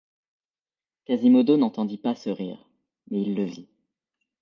Quasimodo n’entendit pas ce rire, mais il le vit.